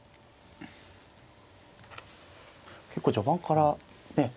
結構序盤からねえ